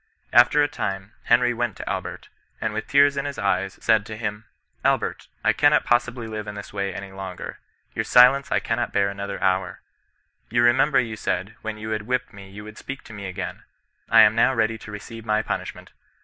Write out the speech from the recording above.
After a ti^ne, Henry went to Albert, and with tears in his eyes, said to him, ^ Albert, I cannot possibly live in this way any longer. Your silence I cannot bear anoiiier hour. You remember you said, when you had whipped me you would speak to me again; I am now ready to receive your punishment.